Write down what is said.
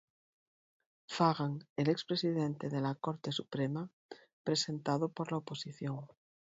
Fagan, el ex presidente de la Corte Suprema, presentado por la oposición.